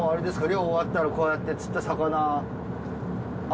漁終わったらこうやって釣った魚。